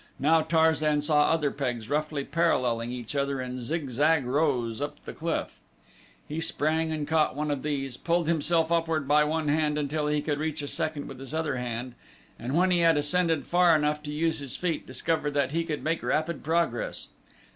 Now Tarzan saw other pegs roughly paralleling each other in zigzag rows up the cliff face. He sprang and caught one of these, pulled himself upward by one hand until he could reach a second with his other hand; and when he had ascended far enough to use his feet, discovered that he could make rapid progress.